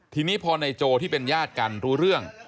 ทีนี้พอนายโจที่เป็นญาติกันรู้เรื่อง